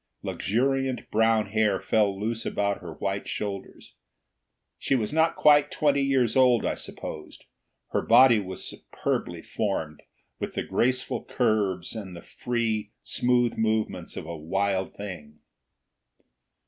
Luxuriant brown hair fell loose about her white shoulders. She was not quite twenty years old, I supposed; her body was superbly formed, with the graceful curves and the free, smooth movements of a wild thing.